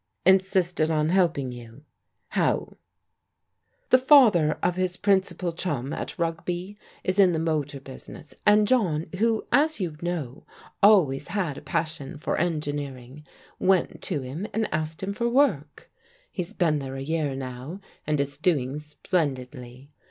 " Insisted on helping you? How? "" The father of his principal chimi at Rugby is in the motor business, and John, who, as you know, always had a passion for engineering, went to him and asked him for THE COLONEL RETURNS 13 work. He's been there a year now, and is doing splen didly.